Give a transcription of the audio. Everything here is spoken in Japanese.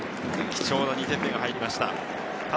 貴重な２点目が入りました。